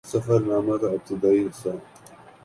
سفر نامے کا ابتدائی حصہ